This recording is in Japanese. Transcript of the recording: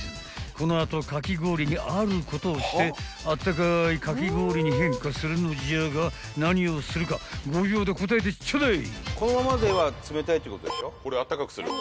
［この後かき氷にあることをしてあったかいかき氷に変化するのじゃが何をするか５秒で答えてちょうだい］